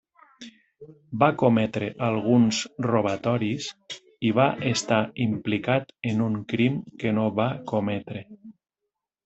Va cometre alguns robatoris i va estar implicat en un crim que no va cometre.